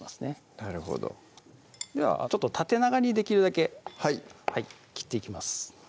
なるほどではちょっと縦長にできるだけ切っていきます